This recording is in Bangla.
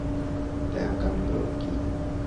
দেখ আমি তোর জন্য কি এনেছি!